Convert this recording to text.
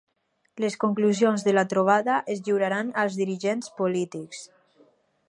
Les conclusions de la trobada es lliuraran als dirigents polítics.